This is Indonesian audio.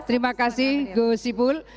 terima kasih go sipul